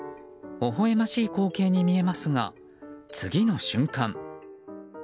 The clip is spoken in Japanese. ほほ笑ましい光景に見えますが次の瞬間。